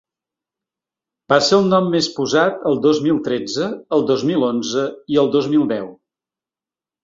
Va ser el nom més posat el dos mil tretze, el dos mil onze i el dos mil deu.